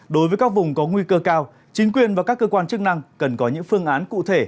đối với các vùng có nguy cơ cao chính quyền và các cơ quan chức năng cần có những phương án cụ thể